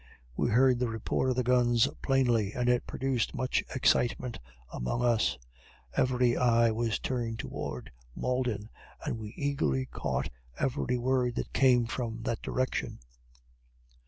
We heard the report of the guns plainly, and it produced much excitement among all. Every eye was turned toward Malden, and we eagerly caught every word that came from that direction.